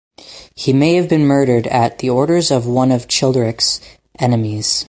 He may have been murdered at the orders of one of Childeric's enemies.